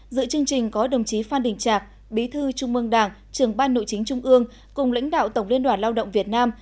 dự chương trình có đồng chí phan đình trạc bí thư trung mương đảng trưởng ban nội chính trung ương cùng lãnh đạo tổng liên đoàn lao động việt nam